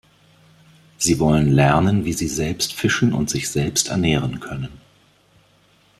Sie wollen lernen, wie sie selbst fischen und sich selbst ernähren können.